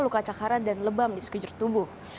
karat dan lebam di sekejur tubuh